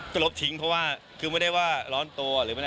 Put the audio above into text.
ก็ลบทิ้งเพราะว่าคือไม่ได้ว่าร้อนตัวหรือไม่ได้